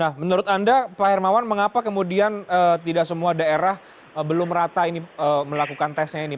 nah menurut anda pak hermawan mengapa kemudian tidak semua daerah belum rata melakukan tesnya ini